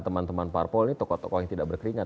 teman teman parpol ini tokoh tokoh yang tidak berkeringat